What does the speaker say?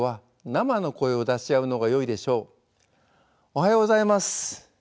「おはようございます」